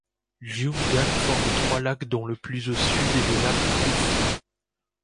Ljungan forme trois lacs dont le plus au sud est le lac Hoof.